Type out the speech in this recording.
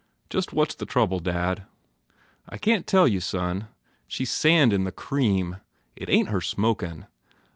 Just what s the trouble, dad?" "I can t tell you, son. She s sand in the cream. It ain t her smokin